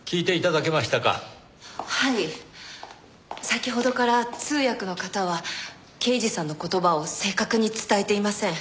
先ほどから通訳の方は刑事さんの言葉を正確に伝えていません。